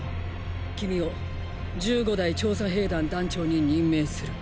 君を１５代調査兵団団長に任命する。